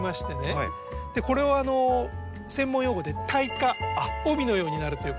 でこれを専門用語で「帯化」帯のようになるということで。